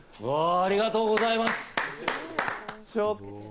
ありがとうございます。